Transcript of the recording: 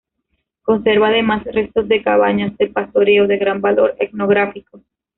Conserva además restos de cabañas de pastoreo de gran valor etnográfico.